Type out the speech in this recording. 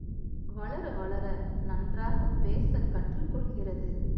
வளர வளர நன்றாகப் பேசக் கற்றுக் கொள்கிறது.